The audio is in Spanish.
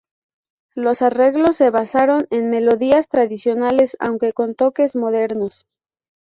Los arreglos se basaron en melodías tradicionales aunque con toques modernos.